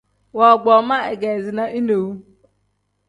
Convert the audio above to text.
Woogboo ma ikeezina inewu.